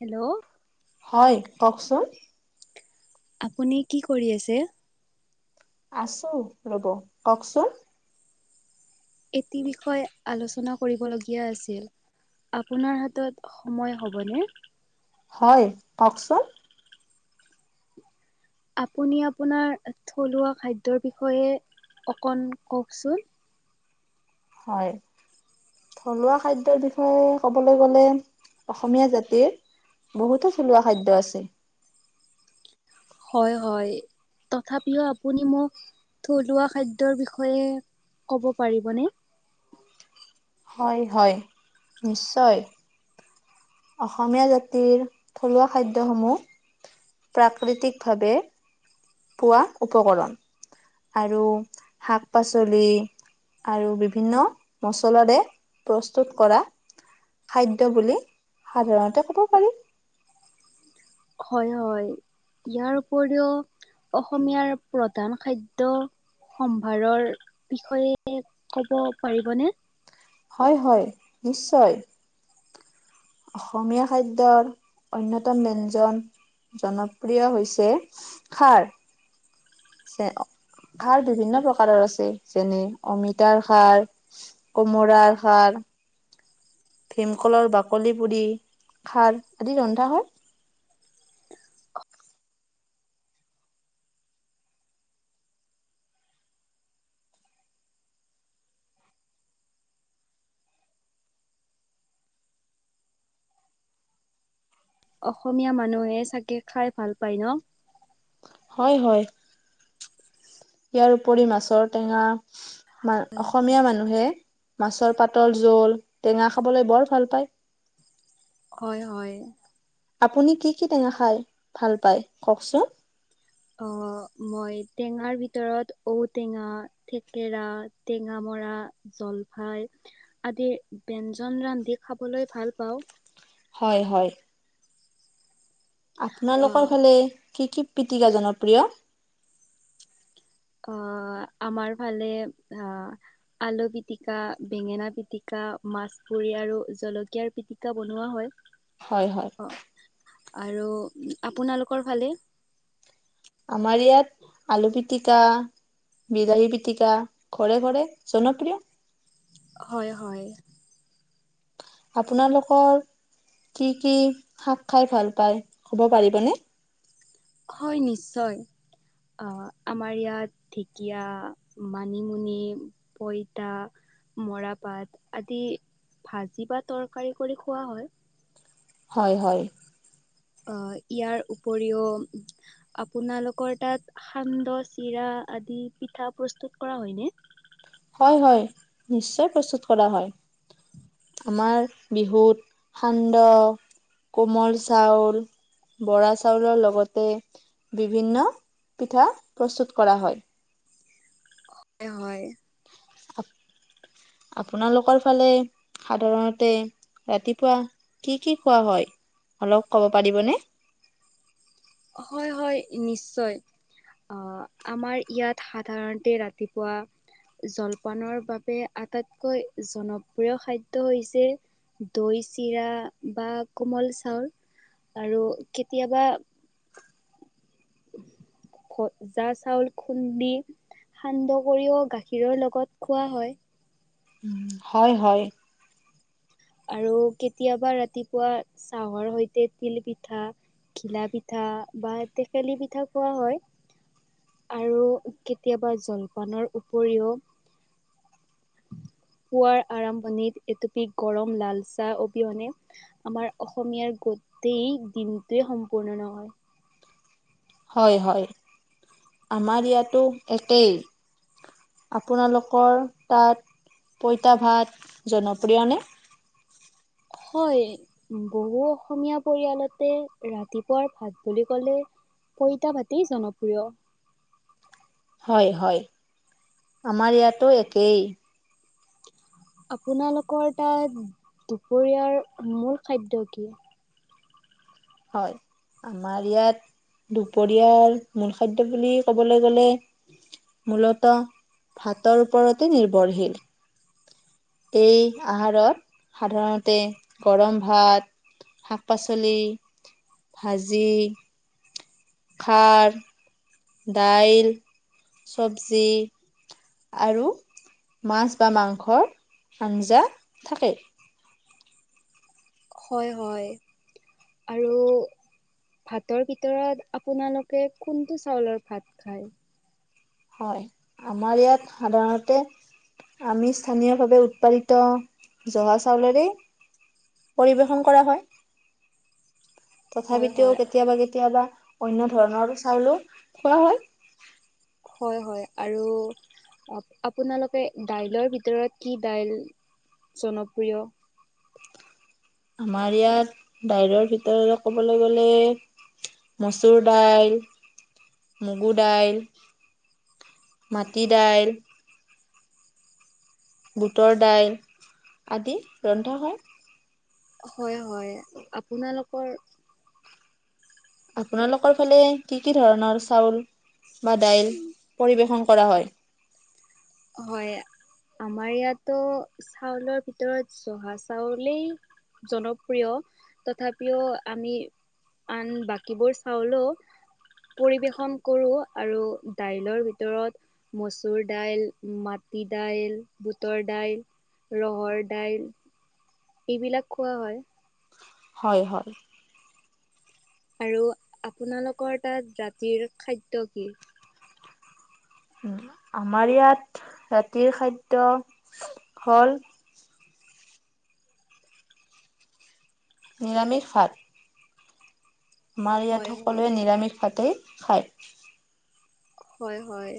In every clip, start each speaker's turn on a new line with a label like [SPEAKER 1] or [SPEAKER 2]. [SPEAKER 1] Hello
[SPEAKER 2] হয় কওঁক চোন।
[SPEAKER 1] আপুনি কি কৰি আছে?
[SPEAKER 2] আছো ৰ'ব কওঁকচোন।
[SPEAKER 1] এটি বিষয়ে আলোচনা কৰিবলগীয়া আছিল। আপোনাৰ হাতত সময় হ'বনে?
[SPEAKER 2] হয় কওঁক চোন।
[SPEAKER 1] আপুনি আপোনাৰ থলুৱা খাদ্যৰ বিষয়ে অকণ কওঁকচোন।
[SPEAKER 2] হয়। থলুৱা খাদ্যৰ বিষয়ে ক'বলৈ গ'লে অসমীয়া জাতিৰ বহুতো থলুৱা খাদ্য আছে।
[SPEAKER 1] হয় হয়, তথাপিও আপুনি মোক থলুৱা খাদ্যৰ বিষয়ে ক'ব পৰিবনে?
[SPEAKER 2] হয় হয় নিশ্চয়। অসমীয়া জাতিৰ থলুৱা খাদ্যসমূহ প্ৰাকৃতিকভাৱে পোৱা উপকৰণ, আৰু শাক- পাচলি আৰু বিভিন্ন মছলাৰে প্ৰস্তুত কৰা খাদ্য বুলি সাধাৰণতে ক'ব পাৰি।
[SPEAKER 1] হয় হয়। ইয়াৰ উপৰিও অসমীয়াৰ প্ৰধান খাদ্য সম্ভাৰৰ বিষয়ে ক'ব পাৰিবনে?
[SPEAKER 2] হয়, হয়, নিশ্চয়। অসমীয়া খাদ্যৰ অন্যতম ব্যঞ্জন জনপ্ৰিয় হৈছে খাৰ। খাৰ বিভিন্ন প্ৰকাৰৰ আছে যেনে অমিতাৰ খাৰ কোমোৰাৰ খাৰ। ভীমকলৰ বাকলি পুৰি খাৰ আদি ৰন্ধা হয়।
[SPEAKER 1] অসমীয়া মানুহে চাগে, খাই ভাল পায় ন।
[SPEAKER 2] হয়, হয়, ইয়াৰ উপৰি মাছৰ টেঙা মা অসমীয়া মানুহে মাছৰ পাতৰ জোল, টেঙা খাবলৈ বৰ ভাল পায়।
[SPEAKER 1] হয়, হয়।
[SPEAKER 2] আপুনি কি কি টেঙা খায় ভাল পায়, কওকচোন?
[SPEAKER 1] অ, মই টেঙাৰ ভিতৰত ঔটেঙা থেকেৰা, টেঙামৰা, জলফাই আদি ব্যঞ্জন ৰান্ধি খাবলৈ ভাল পাওঁ।
[SPEAKER 2] হয়, হয়। আপোনালোকৰ
[SPEAKER 1] আহ
[SPEAKER 2] ফালে কি কি পিতিকা জনপ্ৰিয়?
[SPEAKER 1] অহ, আমাৰ ফালে আহ আলু পিটিকা, বেঙেনা পিটিকা, মাছপুৰি আৰু জলকীয়াৰ পিটিকা বনোৱা হয়।
[SPEAKER 2] হয়, হয়।
[SPEAKER 1] আৰু আপোনালোকৰ ফালে?
[SPEAKER 2] আমাৰ ইয়াত আলু পিটিকা বিলাহী পিতিকা ঘৰে-ঘৰে জনপ্ৰিয়।
[SPEAKER 1] হয়, হয়।
[SPEAKER 2] আপোনালোকৰ কি কি শাক খাই ভাল পায়, ক'ব পাৰিবনে?
[SPEAKER 1] হয়, নিশ্চয়। অ, আমাৰ ইয়াত ঢেকীয়া, মানিমুনি পইতা, মৰা পাত আদি ভাজি বা তৰকাৰী কৰি খোৱা হয়।
[SPEAKER 2] হয়, হয়।
[SPEAKER 1] ইয়াৰ উপৰিও আপোনালোকৰ তাত সান্দহ, চিৰা আদি পিঠা প্ৰস্তুত কৰা হয়নে?
[SPEAKER 2] হয়, হয়, নিশ্চয় প্ৰস্তুত কৰা হয়। আমাৰ বিহুত সান্দহ, কোমল চাউল- বৰা চাউলৰ লগতে বিভিন্ন পিঠা প্ৰস্তুত কৰা হয়।
[SPEAKER 1] হয়, হয়।
[SPEAKER 2] আপোনালোকৰ ফালে সাধাৰণতে ৰাতিপুৱা কি কি খোৱা হয়, অলপ ক'ব পাৰিবনে?
[SPEAKER 1] হয়, হয়, নিশ্চয়। আহ, আমাৰ ইয়াত সাধাৰণতে ৰাতিপুৱা জলপানৰ বাবে আটাইতকৈ জনপ্ৰিয় খাদ্য হৈছে দৈ-চিৰা বা কোমল-চাউল আৰু কেতিয়াবা [inaudible] ভজা-চাউল খুন্দি সান্দহ কৰিও গাখীৰৰ লগত খোৱা হয়।
[SPEAKER 2] হয়, হয়।
[SPEAKER 1] আৰু কেতিয়াবা ৰাতিপুৱা, চাহৰ সৈতে তিল পিঠা। ঘিলা পিঠা বা টেকেলি পিঠা খোৱা হয়। আৰু কেতিয়াবা জলপানৰ উপৰিও পুৱাৰ আৰম্ভণিত এটপি, গৰম লালচাহ অবিহনে আমাৰ অসমীয়াৰ গোটেই দিনটোৱে সম্পূৰ্ণ নহয়।
[SPEAKER 2] হয়, হয় আমাৰ ইয়াতো একেই। আপোনালোকৰ তাত পইতা ভাত জনপ্ৰিয়নে?
[SPEAKER 1] হয়। বহু অসমীয়া পৰিয়ালতে, ৰাতিপুৱাৰ ভাত বুলি কলে পইতাভাতেই জনপ্ৰিয়।
[SPEAKER 2] হয়, হয়, আমাৰ ইয়াতো একেই।
[SPEAKER 1] আপোনালোকৰ তাত, দুপৰীয়াৰ মূল খাদ্য কি?
[SPEAKER 2] হয়, আমাৰ ইয়াত দুপৰীয়াৰ মূল খাদ্য বুলি ক'বলৈ গ'লে মূলত, ভাতৰ ওপৰতে নিৰ্ভৰশীল এই আহাৰত, সাধাৰণতে গৰম ভাত শাক-পাচলি ভাজি ভাত দাইল-চবজি আৰু মাছ বা মাংসৰ আঞ্জা থাকে।
[SPEAKER 1] হয়, হয়, আৰু ভাতৰ ভিতৰত আপোনালোকে কোনটো চাউলৰ ভাত, খায়?
[SPEAKER 2] হয়, আমাৰ ইয়াত সাধাৰণতে আমি, স্থানীয়ভাৱে উৎপাদিত জহা চাউলেৰে পৰিৱেশন কৰা হয়।
[SPEAKER 1] [unintelligible]
[SPEAKER 2] তথাপিও
[SPEAKER 1] হয়
[SPEAKER 2] কেতিয়াবা, কেতিয়াবা অন্য ধৰণৰ চাউলো খোৱা হয়
[SPEAKER 1] হয়, হয়, আৰু আপোনালোকে দাইলৰ ভিতৰত, কি দাইল জনপ্ৰিয়?
[SPEAKER 2] আমাৰ ইয়াত বাহিৰৰ ভিতৰতে, ক'বলৈ গ'লে মচুৰ দাইল, মগু দাইল মাটি দাইল বুটৰ দাইল, আদি ৰন্ধা হয়।
[SPEAKER 1] হয়, হয়, আপোনালোকৰ
[SPEAKER 2] আপোনালোকৰ ফালে কি কি ধৰণৰ চাউল বা দাইল পৰিৱেশন কৰা হয়?
[SPEAKER 1] হয়, আমাৰ ইয়াতো চাউলৰ ভিতৰত জহা চাউলেই জনপ্ৰিয় তথাপিও, আমি আন, বাকীবোৰ চাওলো পৰিৱেশন কৰোঁ আৰু দাইলৰ ভিতৰত মচুৰ দাইল মাটি, দাইল বুটৰ দাইল, ৰহৰ দাইল এইবিলাক খোৱা, হয়।
[SPEAKER 2] হয়, হয়।
[SPEAKER 1] আৰু আপোনালোকৰ তাত ৰাতিৰ খাদ্য কি?
[SPEAKER 2] আমাৰ ইয়াত, ৰাতিৰ খাদ্য হ'ল নিৰামিষ খাত আমাৰ
[SPEAKER 1] হয়
[SPEAKER 2] ইয়াত
[SPEAKER 1] হয়
[SPEAKER 2] সকলোৱে নিৰামিষ ভাতেই খায়।
[SPEAKER 1] হয়, হয়।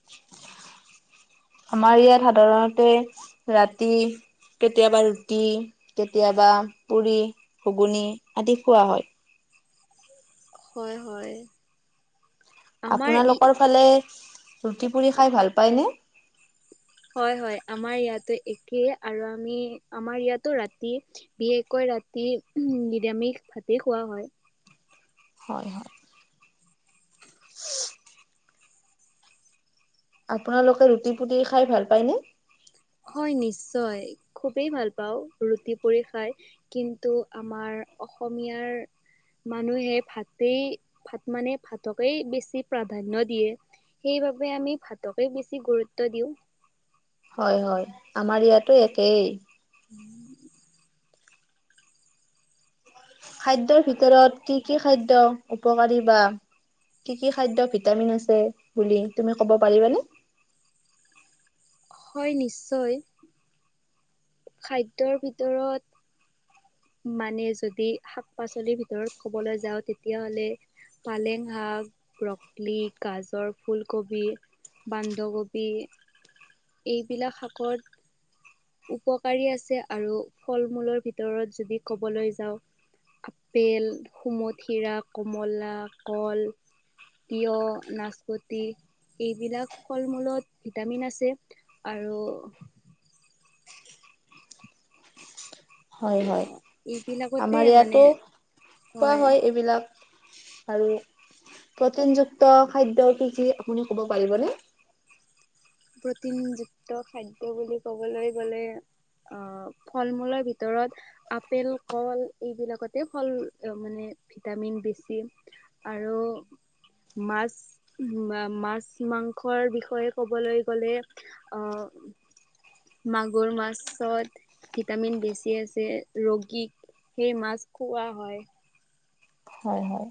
[SPEAKER 1] [unintelligible]
[SPEAKER 2] আমাৰ ইয়াত সাধাৰণতে ৰাতি কেতিয়াবা ৰুটি কেতিয়াবা পুৰি, ঘুগুনি আদি খোৱা হয়।
[SPEAKER 1] হয়, হয়। আমাৰ ই
[SPEAKER 2] আপোনালোকৰ ফালে ৰুটি পুৰি খাই ভাল পায়নে?
[SPEAKER 1] হয়, হয়। আমাৰ ইয়াতো একেই আৰু আমি আমাৰ ইয়াতো ৰাতি বিশেষকৈ ৰাতি উম, নিৰামিষ ভাতেই খোৱা হয়।
[SPEAKER 2] হয়, হয়। আপোনালোকে ৰুটি পুটি খাই ভাল পায়নে?
[SPEAKER 1] হয়, নিশ্চয় খুবেই ভাল পাওঁ। ৰুটি, পুৰি খাই। কিন্তু আমাৰ অসমীয়াৰ মানুহে ভাতেই ভাত মানে ভাতকেই বেছি প্ৰাধান্য দিয়ে। সেইবাবে আমি ভাতকে বেছি গুৰুত্ব দিওঁ।
[SPEAKER 2] হয়, হয়, আমাৰ ইয়াতো একেই
[SPEAKER 1] [inaudible]
[SPEAKER 2] খাদ্যৰ ভিতৰত কি কি খাদ্য উপকাৰী বা কি কি খাদ্য ভিটামিন আছে বুলি তুমি ক'ব পাৰিবানে?
[SPEAKER 1] হয়, নিশ্চয় খাদ্যৰ ভিতৰত মানে যদি শাক পাচলিৰ ভিতৰত ক'বলৈ যাওঁ, তেতিয়া হ'লে পালেং শাক, ৰকলি, গাজৰ, ফুলকবি বান্ধকবি এইবিলাক শাকত উপকাৰী আছে, আৰু ফল মূলৰ ভিতৰত যদি ক'বলৈ যাওঁ। আপেল, সোমথিৰা, কমলা, কল তিঁয়হ, নাচপতি এইবিলাক ফল মূলত ভিটামিন আছে। আৰু
[SPEAKER 2] হয়, হয়।
[SPEAKER 1] এইবিলাকতে
[SPEAKER 2] আমাৰ
[SPEAKER 1] মানে
[SPEAKER 2] ইয়াতো কোৱা হয় এইবিলাক আৰু প্ৰটিনযুক্ত খাদ্য কি কি আপুনি ক'ব পাৰিবনে?
[SPEAKER 1] প্ৰ'টিন যুক্ত খাদ্য বুলি ক'বলৈ গ'লে ফল মূলৰ ভিতৰত আপেল, কল এইবিলাকতে ফল মানে ভিটামিন বেছি। আৰু মাছ মাছ, মাংসৰ বিষয়ে ক'বলৈ গ'লে আহ মাগুৰ মাছত ভিটামিন বেছি আছে, ৰোগীক সেই মাছ খোৱা হয়।
[SPEAKER 2] হয়, হয়।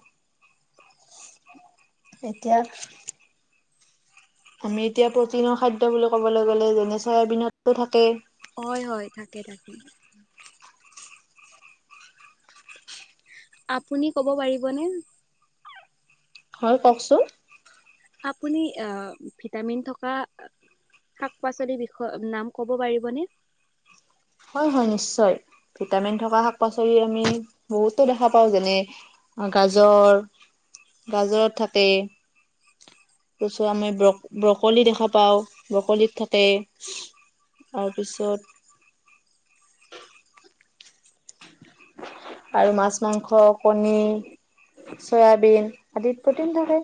[SPEAKER 2] তেতিয়া আমি এতিয়া প্ৰ'টিনৰ খাদ্য বুলি ক'বলৈ গ'লে যেনে চয়াবিনতো থাকে।
[SPEAKER 1] হয়, হয়, থাকে থাকে। আপুনি ক'ব পাৰিবনে?
[SPEAKER 2] হয়, কওঁকচোন?
[SPEAKER 1] আপুনি আহ ভিটামিন থকা। শাক পাচলিৰ বিষয়ে নাম ক'ব পাৰিবনে?
[SPEAKER 2] হয় হয় নিশ্চয়, ভিটামিন থকা শাক পাচলি আমি বহুতো দেখা পাওঁ যেনে গাজৰ, গাজৰত থাকে। তাৰপিছত আমি ব্ৰ, ব্ৰকলি দেখা পাওঁ ব্ৰকলিত থাকে। তাৰপিছত আৰু মাছ, মাংস, কণী। চয়াবিন আদিত প্ৰটিন থাকে।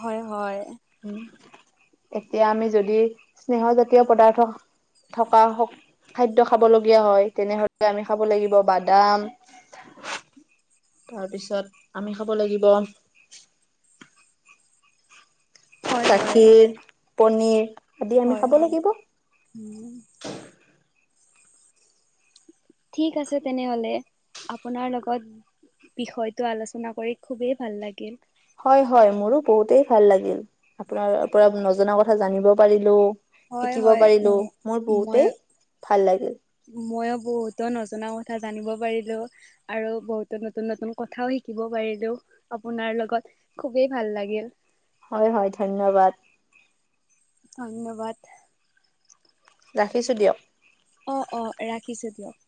[SPEAKER 1] হয়, হয়।
[SPEAKER 2] এতিয়া আমি যদি স্নেহ জাতীয় পদাৰ্থ থকা খাদ্য খাবলগীয়া হয় তেনেহলে আমি খাব লাগিব বাদাম।
[SPEAKER 1] [inaudible]
[SPEAKER 2] তাৰপিছত আমি খাব লাগিব।
[SPEAKER 1] হয় হয়
[SPEAKER 2] গাখীৰ, পনীৰ।
[SPEAKER 1] হয়, হয়। ঠিক আছে তেনেহলে, আপোনাৰ লগত বিষয়টো আলোচনা কৰি খুবেই ভাল লাগে।
[SPEAKER 2] হয়, হয়। মোৰো বহুতেই ভাল লাগিল, আপোনাৰ পৰা নজনা কথা জানিব পাৰিলো।
[SPEAKER 1] হয়
[SPEAKER 2] শিকিব
[SPEAKER 1] হয়
[SPEAKER 2] পাৰিলো, মোৰ বহুতেই ভাল লাগিল।
[SPEAKER 1] মইয়ো বহুতো নজনা কথা জানিব পাৰিলোঁ। আৰু বহুতো নতুন নতুন কথাও শিকিব পাৰিলো আপোনাৰ লগত। খুবেই ভাল লাগিল।
[SPEAKER 2] হয় হয় ধন্যবাদ।
[SPEAKER 1] ধন্যবাদ।
[SPEAKER 2] ৰাখিছো দিয়ক।
[SPEAKER 1] অঁ অঁ ৰাখিছো দিয়ক।